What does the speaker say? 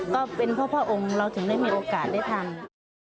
ก็เป็นเพราะพระองค์เราถึงได้มีโอกาสได้ทำ